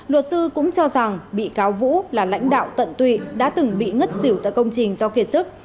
luật sư cũng cho rằng bị cáo vũ là lãnh đạo tận tụy đã từng bị ngất xỉu tại công trình do kiệt sức